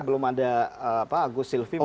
belum ada pak agus silvi maupun